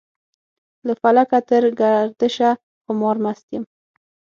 له فکله تر ګردشه خمار مست يم.